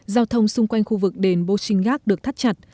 giao thông xung quanh khu vực đền bô sinh gác được thắt chặt